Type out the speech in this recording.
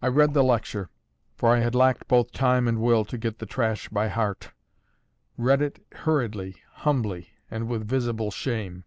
I read the lecture; for I had lacked both time and will to get the trash by heart read it hurriedly, humbly, and with visible shame.